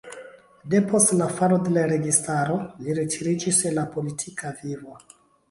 Depost la falo de la registaro li retiriĝis el la politika vivo.